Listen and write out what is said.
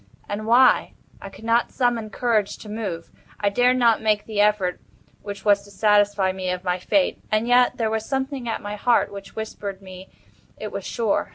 And why? I could not summon courage to move. I dared not make the effort which was to satisfy me of my fate—and yet there was something at my heart which whispered me it was sure.